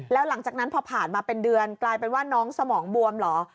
แล้วหลังจากนั้นพอผ่านมาเป็นเดือนกลายเป็นว่าน้องสมองบวมเหรอ